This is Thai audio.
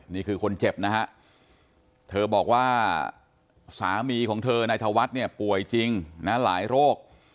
นี่คือคนเจ็บนะฮะเธอบอกว่าสามีของเธอนายธวัฒน์เนี่ยป่วยจริงนะหลายโรค